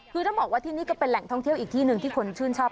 คือต้องบอกว่าที่นี่ก็เป็นแหล่งท่องเที่ยวอีกที่หนึ่งที่คนชื่นชอบ